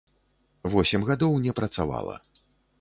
Восем гадоў не працавала.